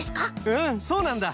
うんそうなんだ。